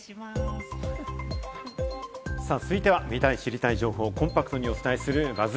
続いては、見たい、知りたい情報をコンパクトにお伝えするＢＵＺＺ